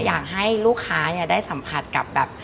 อยากให้ลูกค้าได้สัมผัสกับแบบ